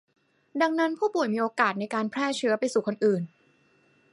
ดังนั้นผู้ป่วยมีโอกาสในการแพร่เชื้อไปสู่คนอื่น